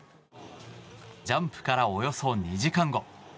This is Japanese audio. ジャンプからおよそ２時間後。